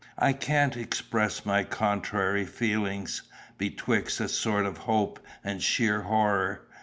I can't express my contrary feelings, betwixt a sort of hope and sheer horror.